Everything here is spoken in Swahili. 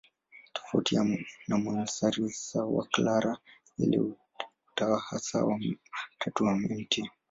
Tofauti na monasteri za Waklara, zile za Utawa Hasa wa Tatu wa Mt.